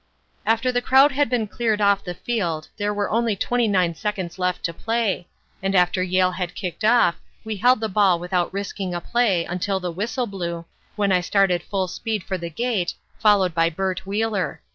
"After the crowd had been cleared off the field there were only 29 seconds left to play, and after Yale had kicked off we held the ball without risking a play until the whistle blew, when I started full speed for the gate, followed by Bert Wheeler.